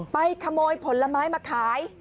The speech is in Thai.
ไปขโมยผลไม้มาขาย